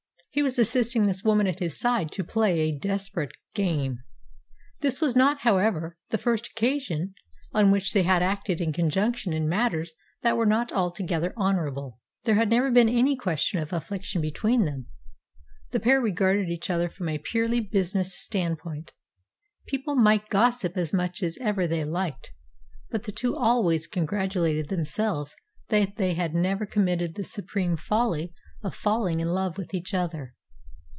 He was assisting this woman at his side to play a desperate game. This was not, however, the first occasion on which they had acted in conjunction in matters that were not altogether honourable. There had never been any question of affection between them. The pair regarded each other from a purely business standpoint. People might gossip as much as ever they liked; but the two always congratulated themselves that they had never committed the supreme folly of falling in love with each other.